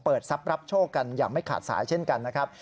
ทรัพย์รับโชคกันอย่างไม่ขาดสายเช่นกันนะครับ